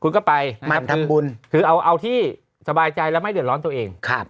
คุณก็ไปมาทำบุญคือเอาที่สบายใจแล้วไม่เดือดร้อนตัวเอง